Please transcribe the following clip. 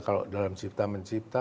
kalau dalam cipta mencipta